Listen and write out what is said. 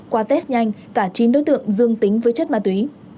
qua test nhanh cả chín đối tượng dương tính với chất ma túy